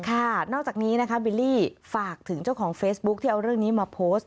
นอกจากนี้นะคะบิลลี่ฝากถึงเจ้าของเฟซบุ๊คที่เอาเรื่องนี้มาโพสต์